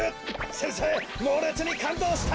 先生もうれつにかんどうした。